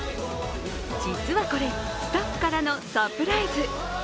実はこれ、スタッフからのサプライズ。